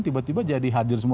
tiba tiba jadi hadir semua